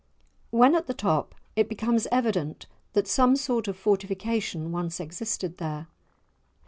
When at the top, it becomes evident that some sort of fortification once existed there.